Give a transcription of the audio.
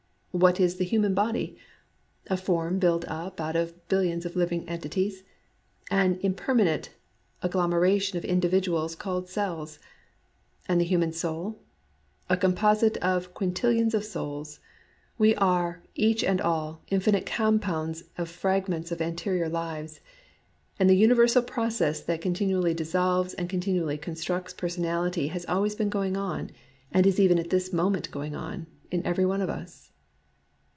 What is the human body ? A form built up out of billions of living entities, an impermanent agglomeration of individuals called cells. And the human soul ? A com posite of quintillions of souls. We are, each and all, infinite compounds of fragments of anterior lives. And the universal process that continually dissolves and continually constructs personality has always been going on, and is even at this moment going on, in every one of us.